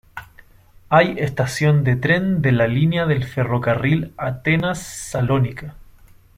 Hay estación de tren de la línea del ferrocarril Atenas- Salónica.